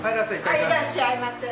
はいいらっしゃいませ。